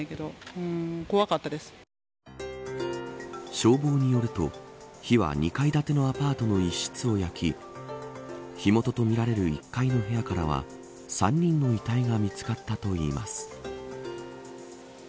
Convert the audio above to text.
消防によると火は２階建てのアパートの一室を焼き火元とみられる１階の部屋からは３人の遺体が見つかったといいます。